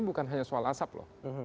bukan hanya soal asap loh